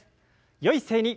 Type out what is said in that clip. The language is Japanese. よい姿勢に。